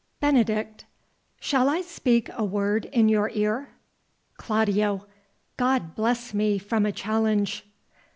Benedict. Shall I speak a word in your ear? Claudio. God bless me from a challenge.